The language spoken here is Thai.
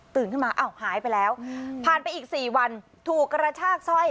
ตื่นขึ้นมาหายไปแล้วผ่านไปอีก๔วันถูกกระทากซ่อย